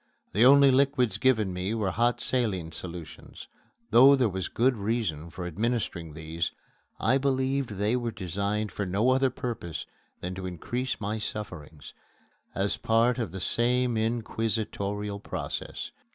The only liquids given me were hot saline solutions. Though there was good reason for administering these, I believed they were designed for no other purpose than to increase my sufferings, as part of the same inquisitorial process.